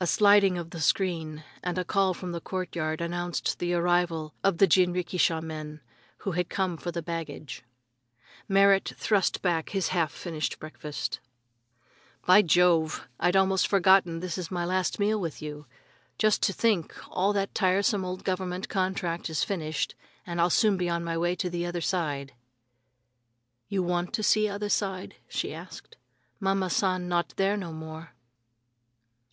A sliding of the screen and a call from the court yard announced the arrival of the jinrikisha men, who had come for the baggage. Merrit thrust back his half finished breakfast. "By Jove! I'd most forgotten this is my last meal with you. Just to think all that tiresome old government contract is finished and I'll soon be on my way to the other side!" "You want to see other side?" she asked. "Mama San not there no more."